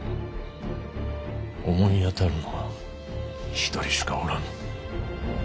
思い当たるのは一人しかおらぬ。